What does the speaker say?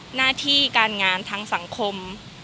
หน้าที่การงานทางสังคม